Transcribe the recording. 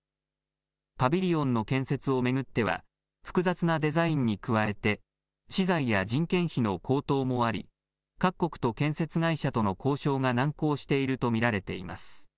パビリオンの建設を巡っては、複雑なデザインに加えて、資材や人件費の高騰もあり、各国と建設会社との交渉が難航していると見られています。